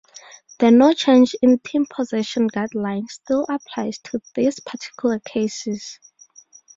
The no change in team possession guideline still applies to these particular cases.